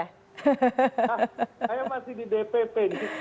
hanya masih di dpp